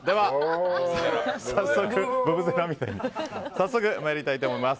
早速、参りたいと思います。